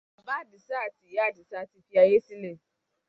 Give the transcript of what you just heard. Bàbá Àdìsá àti Ìyá Àdìsá ti fi ayé sílẹ̀.